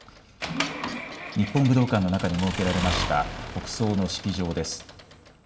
日本武道館の中に設けられました、国葬の式場です。